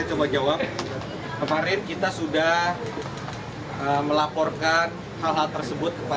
coba jawab kemarin kita sudah melaporkan hal hal tersebut